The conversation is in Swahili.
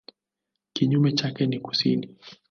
Kinyume chake ni kusini.